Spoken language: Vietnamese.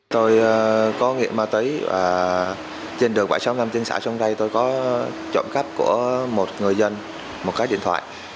tôi có nghiệp ma túy trên đường quả sông nam tinh xã sông rây tôi có trộm cấp của một người dân một cái điện thoại